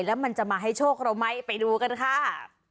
แล้วมันจะมาให้โชคเราไหมไปดูกันค่ะ